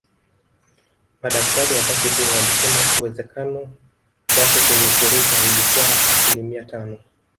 Madaktari wakati huo walisema uwezekano wake kunusurika ulikuwa asilimia tano